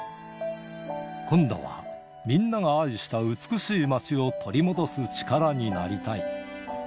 今度はみんなが愛した美しい町を取り戻す力になりたい。